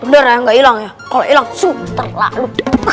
beneran gak ilang ya kalau ilang sukses lalu